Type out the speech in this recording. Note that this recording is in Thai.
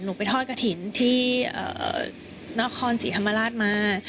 หนูไปทอดกระถิ่นที่นครสีธรรมครัฐมา